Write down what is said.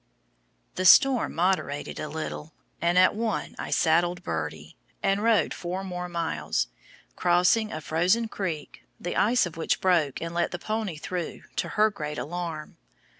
The storm moderated a little, and at one I saddled Birdie, and rode four more miles, crossing a frozen creek, the ice of which broke and let the pony through, to her great alarm.